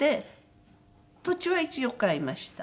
土地は一応買いました。